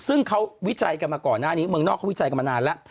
ซึ่งเขาวิจัยกันมาก่อนหน้านี้เมืองนอกเขาวิจัยกันมานานแล้ว